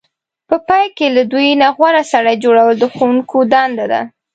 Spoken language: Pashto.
په پای کې له دوی نه غوره سړی جوړول د ښوونکو دنده ده.